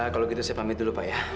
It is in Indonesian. kalau gitu saya pamit dulu pak ya